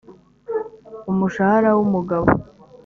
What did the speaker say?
umushahara w umugabo we